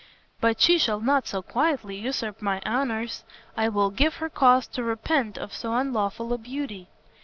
But she shall not so quietly usurp my honors. I will give her cause to repent of so unlawful a beauty."